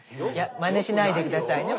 まねしないで下さいね